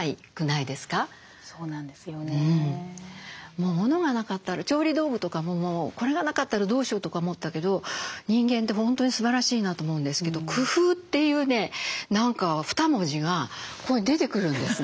もう物がなかったら調理道具とかももうこれがなかったらどうしようとか思ってたけど人間って本当にすばらしいなと思うんですけど「工夫」というね何か二文字がここに出てくるんですね。